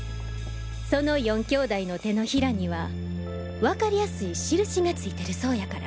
その４兄弟の手のひらにはわかりやすい印がついてるそうやから。